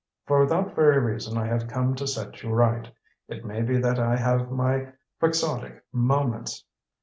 For that very reason I have come to set you right. It may be that I have my quixotic moments.